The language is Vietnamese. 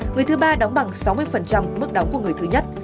người thứ ba đóng bằng sáu mươi mức đóng của người thứ nhất